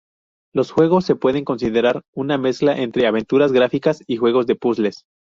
Los juegos se pueden considerar una mezcla entre aventuras gráficas y juegos de puzzles.